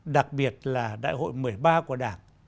đặc biệt là đại hội một mươi ba của đảng